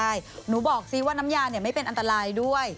ใช่หนูบอกซิว่าน้ำยาไม่เป็นอันตรายด้วย